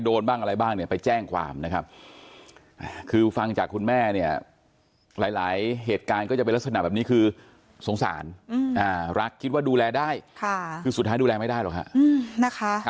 ก็รักลูกอ่ะมีสองคนก็รักทั้งสองคน